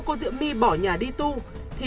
cô diễm my bỏ nhà đi tu thì